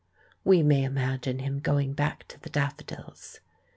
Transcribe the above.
We may imagine him going back to the daffo dils.